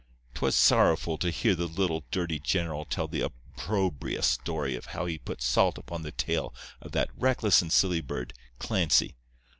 'Twas sorrowful to hear the little, dirty general tell the opprobrious story of how he put salt upon the tail of that reckless and silly bird, Clancy.